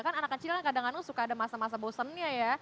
kan anak kecil kan kadang kadang suka ada masa masa bosennya ya